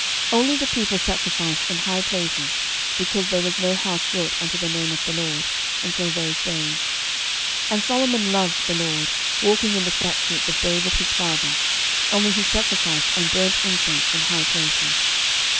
11:003:002 Only the people sacrificed in high places, because there was no house built unto the name of the LORD, until those days. 11:003:003 And Solomon loved the LORD, walking in the statutes of David his father: only he sacrificed and burnt incense in high places.